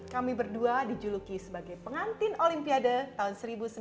kami berdua dijuluki sebagai pengantin olimpiade tahun seribu sembilan ratus sembilan puluh